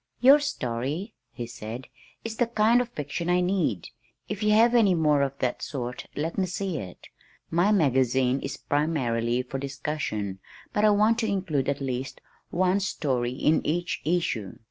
"Your story," he said, "is the kind of fiction I need. If you have any more of that sort let me see it. My magazine is primarily for discussion but I want to include at least one story in each issue.